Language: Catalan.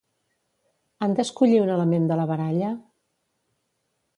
Han d'escollir un element de la baralla?